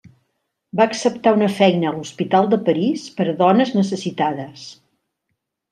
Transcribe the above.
Va acceptar una feina a l'hospital de París per a dones necessitades.